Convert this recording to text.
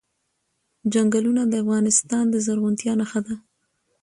چنګلونه د افغانستان د زرغونتیا نښه ده.